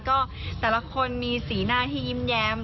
ก็แต่ละคนมีสีหน้าที่ยิ้มแย้ม